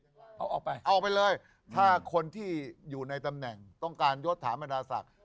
เอาออกไปเอาไปเลยถ้าคนที่อยู่ในตำแหน่งต้องการยศถามบรรดาศักดิ์